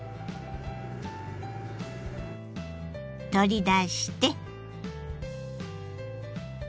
取り出して。